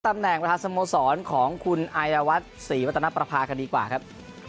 ตำแหน่งประธานสมสรรค์ของคุณอายวัฒน์ศรีวัตนประภาค่ะดีกว่าครับ